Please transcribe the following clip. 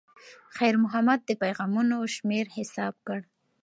خیر محمد د پیغامونو شمېر حساب کړ.